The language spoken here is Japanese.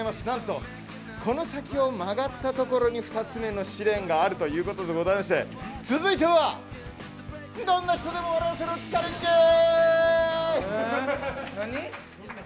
何とこの先を曲がったところに２つ目の試練があるということでございまして続いては、どんな人でも笑わせろチャレンジ！！